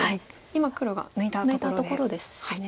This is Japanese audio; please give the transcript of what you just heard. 今黒が抜いたところです。